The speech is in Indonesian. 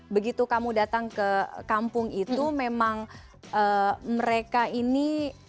begitu kamu datang ke kampung itu memang mereka ini